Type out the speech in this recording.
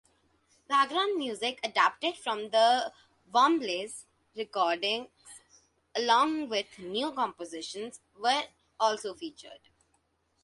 Background music adapted from the Wombles' records along with new compositions were also featured.